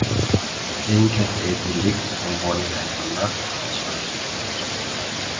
• Eng katta erkinlik yovvoyi hayvonlar va hashoratlardadir.